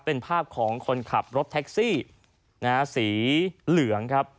เป็นภาพของคนขับรถแท็กซี่นะฮะสีเหลืองครับ